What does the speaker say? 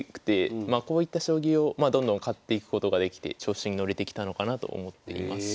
まあこういった将棋をどんどん勝っていくことができて調子に乗れてきたのかなと思っています。